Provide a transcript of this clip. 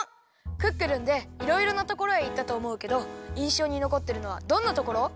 「クックルン」でいろいろなところへいったとおもうけどいんしょうにのこってるのはどんなところ？